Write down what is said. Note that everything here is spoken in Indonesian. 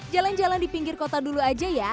jalan jalan di pinggir kota dulu aja ya